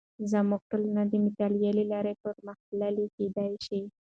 زموږ ټولنه د مطالعې له لارې پرمختللې کیدې شي.